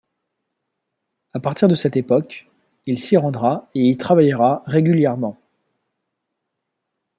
À partir de cette époque, il s’y rendra et y travaillera régulièrement.